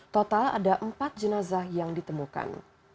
total ada empat jenazah yang ditemukan